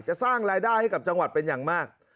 สร้างรายได้ให้กับจังหวัดเป็นอย่างมาก